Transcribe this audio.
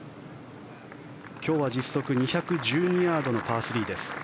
今日は実測２１２ヤードのパー３です。